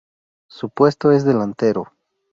Su puesto es delantero.